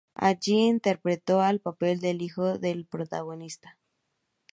Allí interpretó el papel del hijo de los protagonistas.